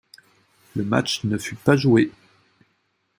Le match ne fut pas joué.